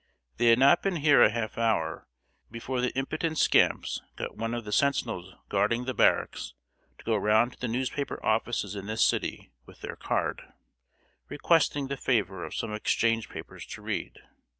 They had not been here a half hour before the impudent scamps got one of the sentinels guarding the barracks to go around to the newspaper offices in this city with their 'card,' requesting the favor of some exchange papers to read.